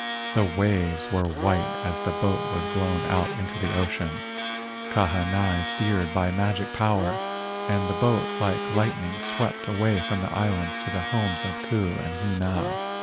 The waves were white as the boat was blown out into the ocean. Ka¬ hanai steered by magic power, and the boat like lightning swept away from the islands to the homes of Ku and Hina.